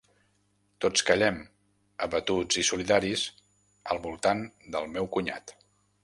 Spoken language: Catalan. Tots callem, abatuts i solidaris, al voltant del meu cunyat.